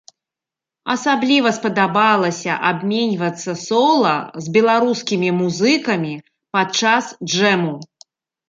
Асабліва спадабалася абменьвацца сола з беларускімі музыкамі падчас джэму.